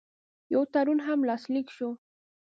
یو تړون هم لاسلیک شو.